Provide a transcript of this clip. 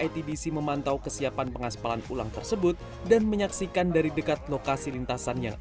itbc memantau kesiapan pengaspalan ulang tersebut dan menyaksikan dari dekat lokasi lintasan yang